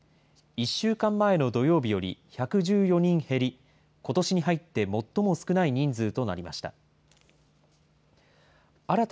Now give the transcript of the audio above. １週間前の土曜日より１１４人減り、ことしに入って最も少ない人数となりました。